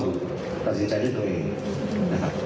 ผมลึกเดินเส้นทางชุดการบริโมงนะครับมาสักครู่พี่พี่พันธมนตร์บอกว่าเอ่อ